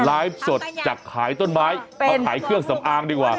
ไลฟ์สดจากขายต้นไม้มาขายเครื่องสำอางดีกว่า